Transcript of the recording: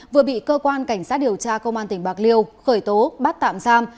vừa bị cơ quan cảnh sát điều tra công an tỉnh bạc liêu khởi tố bắt tạm giam